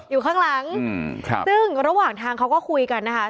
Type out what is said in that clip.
อยู่ข้างหลังซึ่งระหว่างทางเขาก็คุยกันนะคะ